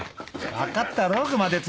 分かったろ熊徹。